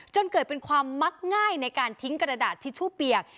จนเกิดเป็นความมักง่ายในการทิ้งกระดาษทิชชู่เปียก